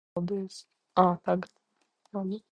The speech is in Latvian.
Cilvēkiem pubertātes vecumā padusēs sāk augt apmatojums.